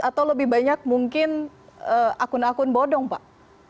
atau lebih banyak mungkin akun akun bodong pak